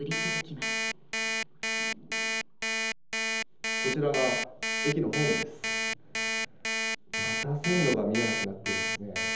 また線路が見えなくなっていますね。